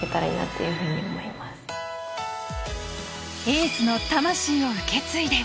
エースの魂を受け継いで。